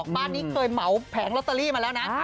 บ้านนี้เคยเหมาแผงลอตเตอรี่มาแล้วนะ